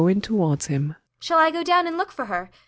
[Going towards him.] Shall I go down and look for her?